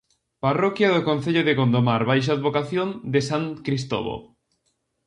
Parroquia do concello de Gondomar baixo a advocación de san Cristovo.